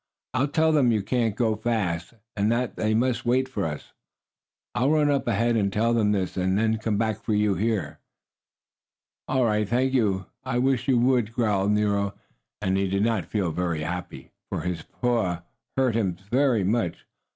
"I'll tell them you can't go fast, and that they must wait for us. I'll run up ahead and tell them this, and then come back here to you." "All right, thank you, I wish you would," growled Nero, and he did not feel very happy, for his paw hurt him very much.